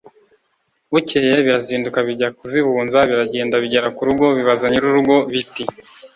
bukeye birazinduka bijya kuzibunza, biragenda bigera ku rugo, bibaza nyir'urugo biti